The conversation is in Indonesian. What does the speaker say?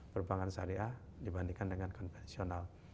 perbankan syariah dibandingkan dengan konvensional